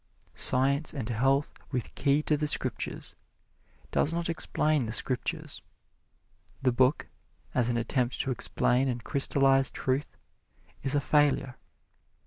"Science and Health with Key to the Scriptures" does not explain the Scriptures. The book, as an attempt to explain and crystallize truth, is a failure.